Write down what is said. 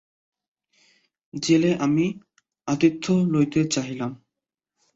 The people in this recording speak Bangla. জেলে আমি আতিথ্য লইতে চলিলাম।